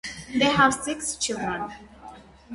They have six children.